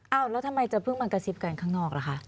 แล้วทำไมจะเพิ่งมากระซิบกันข้างนอกล่ะคะ